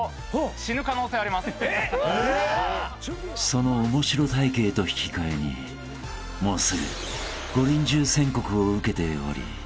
［その面白体形と引き換えにもうすぐご臨終宣告を受けており］